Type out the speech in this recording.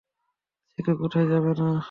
চিকু কোথায় যাবে না।